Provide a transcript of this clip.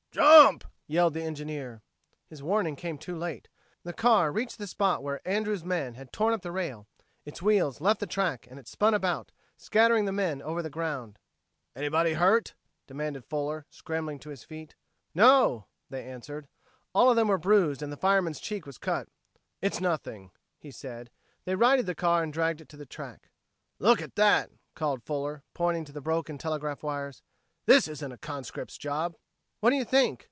"Jump!" yelled the engineer. His warning came too late. The car reached the spot where Andrews' men had torn up the rail; its wheels left the track and it spun about, scattering the men over the ground. "Anybody hurt?" demanded Fuller, scrambling to his feet. "No," they answered. All of them were bruised and the fireman's cheek was cut. "It's nothing," he said. They righted the car and dragged it to the track. "Look at that!" called Fuller, pointing to the broken telegraph wires. "This isn't a conscript's job." "What do you think?"